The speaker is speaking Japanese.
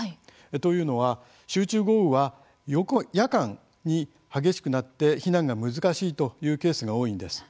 というのは、集中豪雨は夜間に激しくなって避難が難しいというケースが多いんです。